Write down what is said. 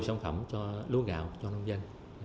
sản phẩm cho lúa gạo cho nông dân